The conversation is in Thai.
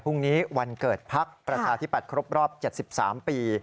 พรุ่งนี้วันเกิดภักดิ์ประธาทิบัติครบรอบ๗๓ปี